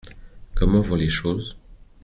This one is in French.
Comment vont les choses ?